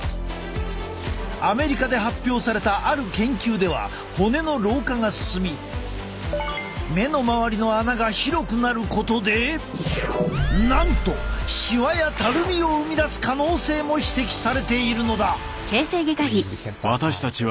アメリカで発表されたある研究では骨の老化が進み目の周りの穴が広くなることでなんとしわやたるみを生み出す可能性も指摘されているのだ。